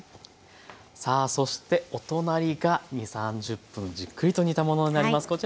さあそしてお隣が２０３０分じっくりと煮たものになります。